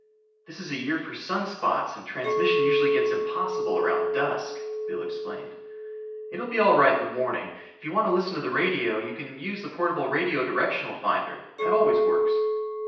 "This is a year for sun spots, and transmission usually gets impossible around dusk," Bill explained. "It will be all right in the morning. If you want to listen to the radio, you can use the portable radio directional finder. That always works."